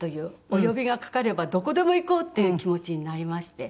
お呼びがかかればどこでも行こうっていう気持ちになりまして。